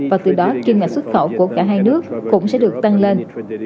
và từ đó kiêm ngạch xuất khẩu của cả hai nước cũng sẽ được tăng lên